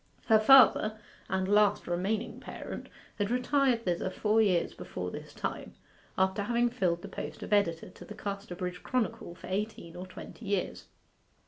Her father, and last remaining parent, had retired thither four years before this time, after having filled the post of editor to the Casterbridge Chronicle for eighteen or twenty years.